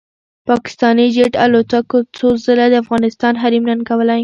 پاکستاني جېټ الوتکو څو ځله د افغانستان حریم ننګولی